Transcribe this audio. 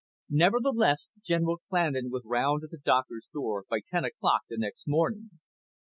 Nevertheless, General Clandon was round at the doctor's door by ten o'clock the next morning.